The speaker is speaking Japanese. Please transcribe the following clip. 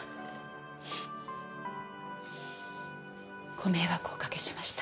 ご迷惑をおかけしました。